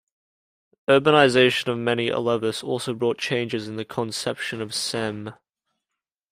Urbanization of many Alevis also brought changes in the conception of cem.